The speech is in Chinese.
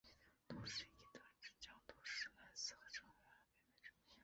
同时亦得知降头师蓝丝是陈月兰妹妹陈月梅和何先达之女。